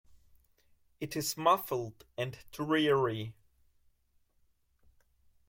It is muffled and dreary.